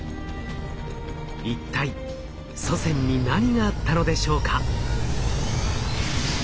一体祖先に何があったのでしょうか？